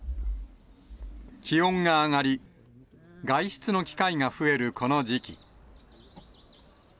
気温が上がり、外出の機会が増えるこの時期。